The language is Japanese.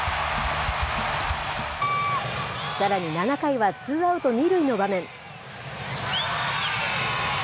さらに７回は、ツーアウト２塁の場面。